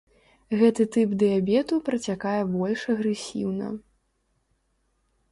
Гэты тып дыябету працякае больш агрэсіўна.